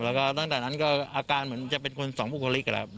แล้วก็ตั้งแต่นั้นก็อาการเหมือนจะเป็นคนสองบุคลิกนะครับ